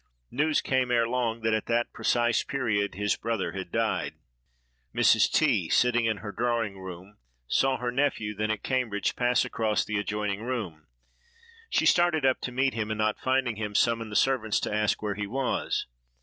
News came, ere long, that at that precise period his brother had died. Mrs. T——, sitting in her drawing room, saw her nephew, then at Cambridge, pass across the adjoining room. She started up to meet him, and, not finding him, summoned the servants to ask where he was.